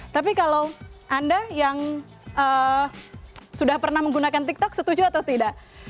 tapi kalau anda yang sudah pernah menggunakan tiktok setuju atau tidak